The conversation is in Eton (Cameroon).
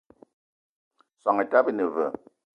Soan etaba ine veu?